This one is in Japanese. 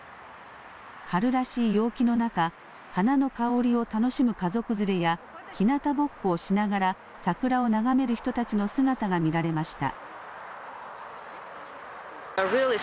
春らしい陽気の中、花の香りを楽しむ家族連れやひなたぼっこをしながら桜を眺める人たちの姿が見られました。